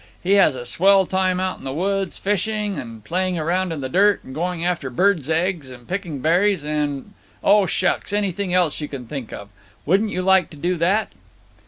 He has a swell time out in the woods, fishing and playing around in the dirt and going after birds' eggs and picking berries, and—oh, shucks, anything else you can think of. Wouldn't you like to do that?"